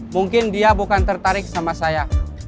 mungkin dia bukan tertarik sama saya